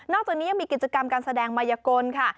จากนี้ยังมีกิจกรรมการแสดงมายกลค่ะ